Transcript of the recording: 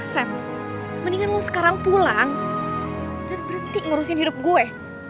mendingan lo sekarang pulang dan berhenti ngurusin hidup gue